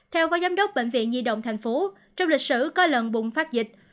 theo phó giám đốc bệnh viện nhi đồng thành phố trong lịch sử có lần bùng phát dịch